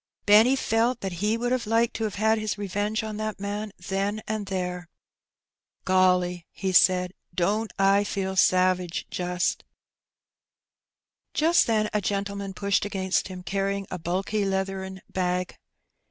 Benny felt that he would have liked to have had his revenge on that man then and there. '' Golly/' he said, " don't I feel savage, jnst !" Jast then a gentleman pushed against him^ carrying a bulky leathern bag.